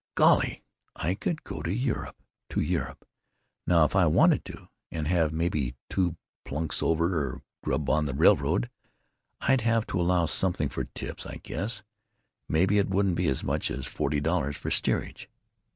"Golly! I could go to Europe, to Europe! now, if I wanted to, and have maybe two plunks over, for grub on the railroad. But I'd have to allow something for tips, I guess. Maybe it wouldn't be as much as forty dollars for steerage.